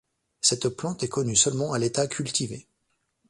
Cette plante est connue seulement à l'état cultivé.